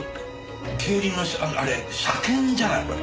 競輪のあれ車券じゃないこれ。